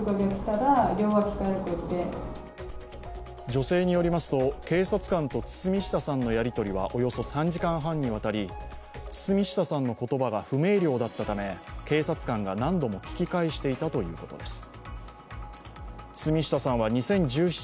女性によりますと、警察官と堤下さんのやりとりはおよそ３時間半にわたり堤下さんの言葉が不明瞭だったため警察官が何度も聞き返していたということです。